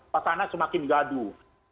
pasangan semakin gaduh